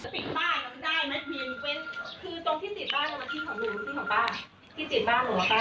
สิบบ้านเหรอป้า